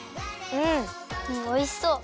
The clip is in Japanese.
うんおいしそう！